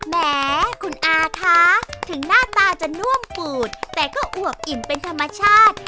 แหมคุณอาคะถึงหน้าตาจะน่วมปูดแต่ก็อวบอิ่มเป็นธรรมชาติ